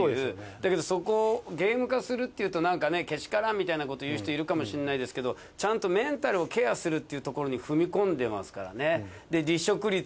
だけどそこゲーム化するっていうとなんかねけしからんみたいなこと言う人いるかもしれないですけどちゃんとメンタルをケアするっていうところに踏み込んでますからね。